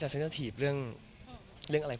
ก็มีไปคุยกับคนที่เป็นคนแต่งเพลงแนวนี้